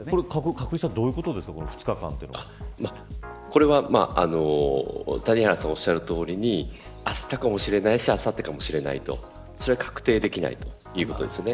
角井さん、これどういうことですか谷原さん、おっしゃるとおりにあしたかもしれないしあさってかもしれないとそれは確定できないということですよね。